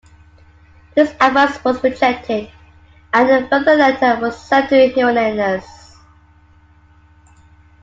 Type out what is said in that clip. This advice was rejected, and a further letter was sent to Herennius.